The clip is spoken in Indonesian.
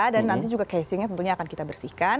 dan nanti juga casingnya tentunya akan kita bersihkan